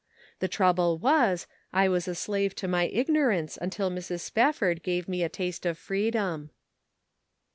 The trouble was, I was a slave to my ignorance until Mrs. Spafford gave me a taste of freedom."